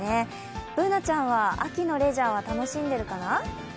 Ｂｏｏｎａちゃんは秋のレジャーは楽しんでるかな？